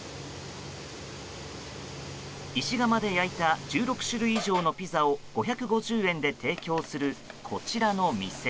石窯で焼いた１６種類以上のピザを５５０円で提供するこちらの店。